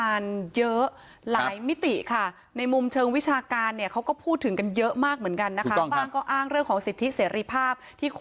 อะไรประมาณแบบนี้